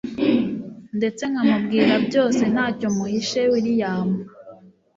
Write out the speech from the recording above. ndetse nkamubwira byose ntacyo muhishe william